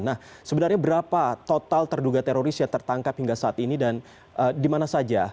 nah sebenarnya berapa total terduga teroris yang tertangkap hingga saat ini dan di mana saja